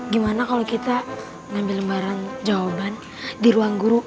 gimana kalau kita ngambil lembaran jawaban di ruang guru